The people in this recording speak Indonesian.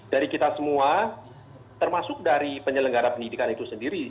dari kita semua termasuk dari penyelenggara pendidikan itu sendiri